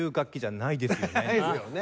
ないですよね。